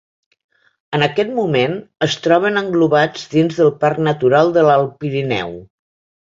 En aquest moment es troben englobats dins del Parc Natural de l'Alt Pirineu.